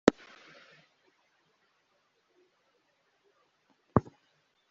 Ibyo byanteye ihungabana cyane mu buzima bwanjye bw’imyororokere n’uburyo nashoboraga gushyikirana n’abagore